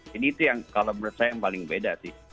jadi itu yang kalau menurut saya yang paling beda sih